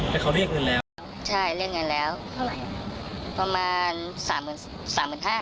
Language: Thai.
แล้วเขาเรียกเงินแล้วใช่เรียกเงินแล้วเท่าไหร่ประมาณสามหมื่นสามหมื่นห้า